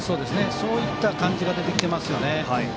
そういった感じが出てきていますよね。